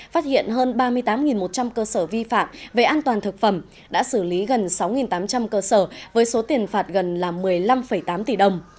phát hiện hơn ba mươi tám một trăm linh cơ sở vi phạm về an toàn thực phẩm đã xử lý gần sáu tám trăm linh cơ sở với số tiền phạt gần một mươi năm tám tỷ đồng